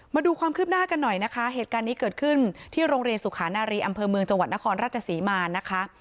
มาดูความคืบหน้ากันหน่อยนะคะเหตุการณ์นี้เกิดขึ้นที่โรงเรียนสุขานารีอำเภอเมืองจังหวัดนครราชศรีมานะคะ